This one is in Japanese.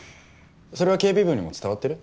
それは警備部にも伝わってる？